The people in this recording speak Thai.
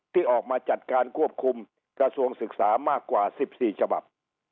ที่ออกมาจัดการควบคุมกระทรวงศึกษามากกว่า๑๔ฉบับ